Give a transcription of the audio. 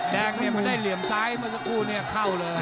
แดงเนี่ยพอได้เหลี่ยมซ้ายเมื่อสักครู่เนี่ยเข้าเลย